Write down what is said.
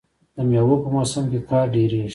د میوو په موسم کې کار ډیریږي.